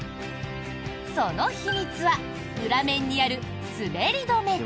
その秘密は裏面にある滑り止め。